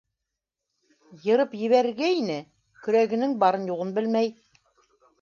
Йырып ебәрергә ине - көрәгенең барын-юғын белмәй.